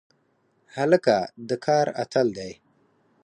هلک د کار اتل دی.